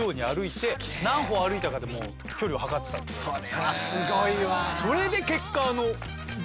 それはすごいわ。